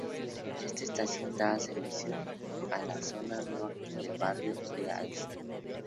Esta estación da servicio, a la zona norte del barrio de Alza.